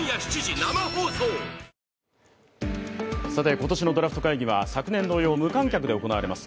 今年のドラフト会議は昨年同様、無観客で行われます。